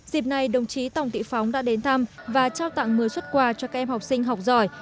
dịp này đồng chí tổng thị phóng đã đến thăm và trao tặng mưa xuất quà cho các em học sinh học giỏi